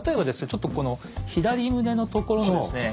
ちょっとこの左胸のところのですね